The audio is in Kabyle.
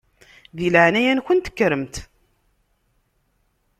Di leɛnaya-nkent kkremt.